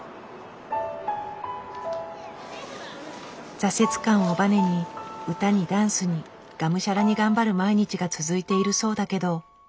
挫折感をバネに歌にダンスにがむしゃらに頑張る毎日が続いているそうだけど。